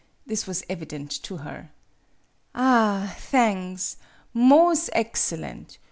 This was evident to her. "Ah thangs, most excellent.